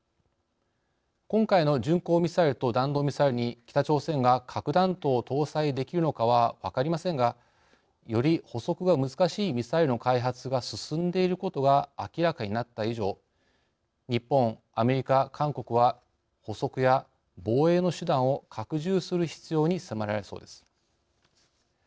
今回の巡航ミサイルと弾道ミサイルに北朝鮮が核弾頭を搭載できるのかは分かりませんがより捕捉が難しいミサイルの開発が進んでいることが明らかになった以上日本アメリカ韓国は捕捉や防衛の手段を拡充する必要に迫られそうです。